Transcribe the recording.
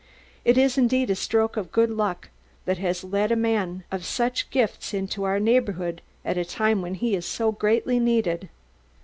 It is indeed a stroke of good luck that has led a man of such gifts into our neighbourhood at a time when he is so greatly needed.